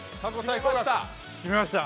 決めました？